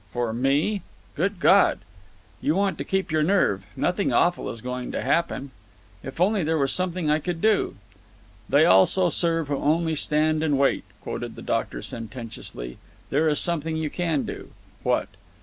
"For me? Good God!" "You want to keep your nerve. Nothing awful is going to happen." "If only there was something I could do." "'They also serve who only stand and wait,'" quoted the doctor sententiously. "There is something you can do." "What?"